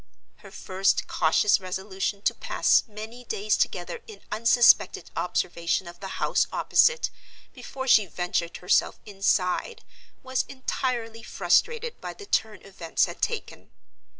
Her first cautious resolution to pass many days together in unsuspected observation of the house opposite before she ventured herself inside was entirely frustrated by the turn events had taken.